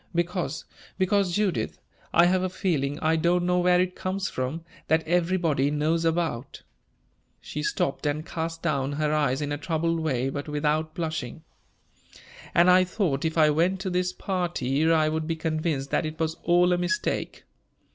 "Because because, Judith, I have a feeling I don't know where it comes from that everybody knows about " She stopped and cast down her eyes in a troubled way, but without blushing. "And I thought if I went to this party I would be convinced that it was all a mistake.